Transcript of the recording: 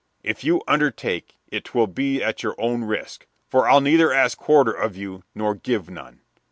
If you undertake it 'twill be at your own risk, for I'll neither ask quarter of you nor give none."